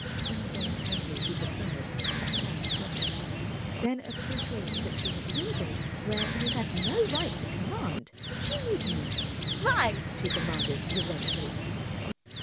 Involuntarily she deferred, her arm dropped. Then, appreciating that she had yielded where he had no right to command, she mutinied. "Why?" she demanded, resentfully.